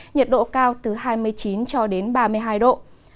nhiệt độ cao từ hai mươi chín cho đến ba mươi hai độ